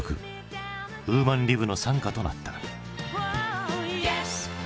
ウーマン・リブの賛歌となった。